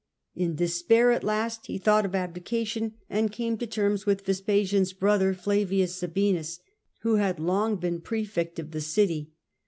In despair Vitellius, A.D. 69. 139 at last he thought of abdication, and came to terms with Vespasian^s brother, Flavius Sabinus, xnedto who had long been prasfect of the city.